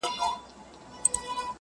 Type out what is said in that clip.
حقیقت در څخه نه سم پټولای.!